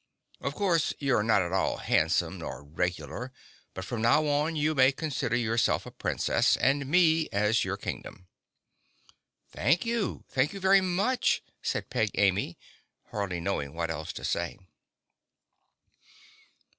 Of course you're not at all handsome nor regular, but from now on you may consider yourself a Princess and me as your Kingdom." "Thank you! Thank you very much!" said Peg Amy, hardly knowing what else to say.